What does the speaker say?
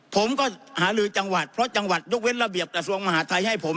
ผมก็หาลือจังหวัดเพราะจังหวัดยกเว้นระเบียบกระทรวงมหาทัยให้ผม